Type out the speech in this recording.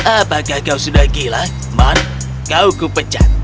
apakah kau sudah gila mon kau kupecat